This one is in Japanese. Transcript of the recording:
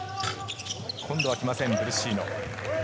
今度は来ません、ブルッシーノ。